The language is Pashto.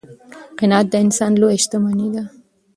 قناعت د انسان لویه شتمني ده.